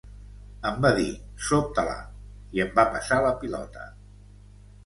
Em va dir: sóbta-la , i em va passar la pilota.